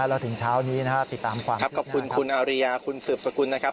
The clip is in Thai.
แล้วถึงเช้านี้นะครับติดตามความครับขอบคุณคุณอาริยาคุณสืบสกุลนะครับ